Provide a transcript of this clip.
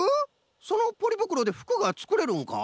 そのポリぶくろでふくがつくれるんか？